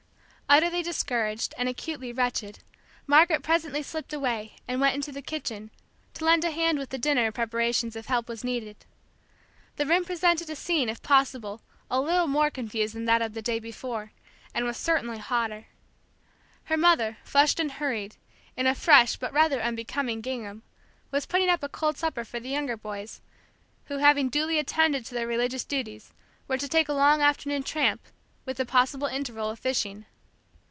Utterly discouraged, and acutely wretched, Margaret presently slipped away, and went into the kitchen, to lend a hand with the dinner reparations if help was needed. The room presented a scene if possible a little more confused than that of the day before, and was certainly hotter. Her mother, flushed and hurried, in a fresh but rather unbecoming gingham, was putting up a cold supper for the younger boys, who, having duly attended to their religious duties, were to take a long afternoon tramp, with a possible interval of fishing.